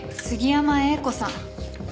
杉山英子さん。